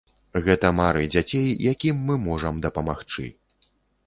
Гэта мары дзяцей, якім мы можам дапамагчы.